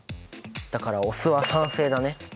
だからお酢は酸性だね。